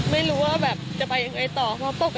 ไม่รู้ว่าแบบจะไปยังไงต่อเพราะปกติ